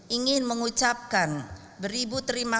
ingin mengucapkan beribu terima kasih